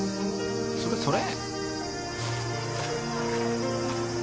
それそれ。